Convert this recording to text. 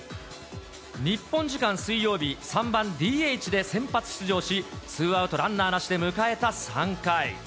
日本時間水曜日、３番ＤＨで先発出場し、ツーアウトランナーなしで迎えた３回。